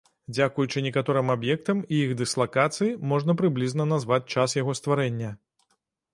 Дзякуючы некаторым аб'ектам і іх дыслакацыі можна прыблізна назваць час яго стварэння.